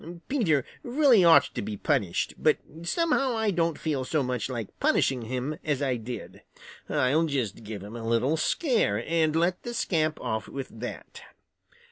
Peter really ought to be punished, but somehow I don't feel so much like punishing him as I did. I'll just give him a little scare and let the scamp off with that.